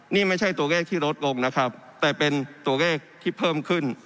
นี่ไม่ใช่ตัวเลขที่ลดลงนะครับแต่เป็นตัวเลขที่เพิ่มขึ้น